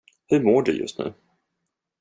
Hur mår du just nu?